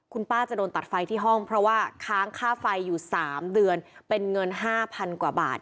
คุณป้าจะโดนตัดไฟที่ห้องเพราะว่าค้างค่าไฟอยู่๓เดือนเป็นเงิน๕๐๐๐กว่าบาท